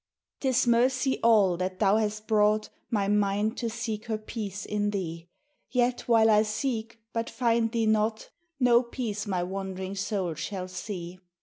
>T is mercy all that thou hast brought My mind to seek her peace in thee. Yet while I seek but find thee not No peace my wand'ring soul shall see.